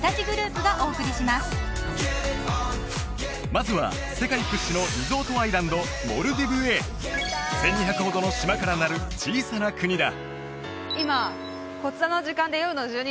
まずは世界屈指のリゾートアイランドモルディブへ１２００ほどの島からなる小さな国だ